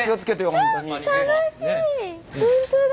本当だ。